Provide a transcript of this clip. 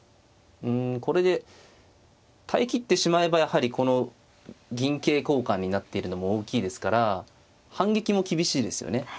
うんこれで耐え切ってしまえばやはりこの銀桂交換になっているのも大きいですから反撃も厳しいですよね。